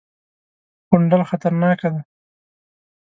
_غونډل خطرناکه دی.